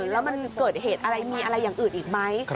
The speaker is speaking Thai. แล้วมันเกิดเหตุอะไรมีอะไรอย่างอื่นอีกไหม